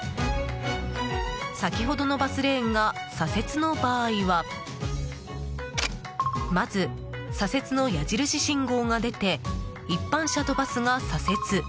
先ほどのバスレーンが左折の場合はまず左折の矢印信号が出て一般車とバスが左折。